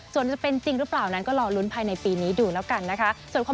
ส่วนจะเป็นจริงหรือเปล่านั้นก็รอลุ้นภายในปีนี้ดูแล้วกันนะคะ